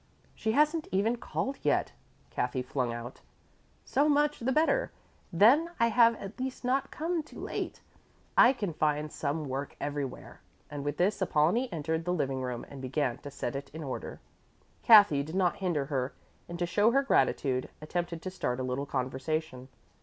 "She hasn't even called yet," Kathy flung out. "So much the better, then I have at least not come too late. I can find some work everywhere," and with this Apollonie entered the living room and began to set it in order. Kathy did not hinder her and, to show her gratitude, attempted to start a little conversation.